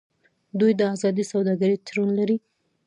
دوی د ازادې سوداګرۍ تړون لري.